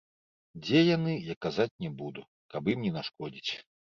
Дзе яны, я казаць не буду, каб ім не нашкодзіць.